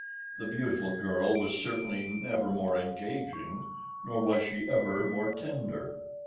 The beautiful girl was certainly never more engaging, nor was she ever more tender.